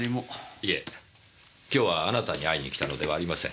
いえ今日はあなたに会いに来たのではありません。